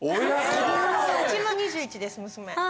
うちも２１です娘。